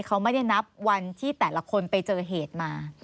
เขาไม่ได้นับวันที่แต่ละคนไปเจอเหตุมา